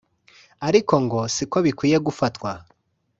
ariko ngo siko bikwiye gufatwa